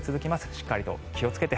しっかりと気をつけて。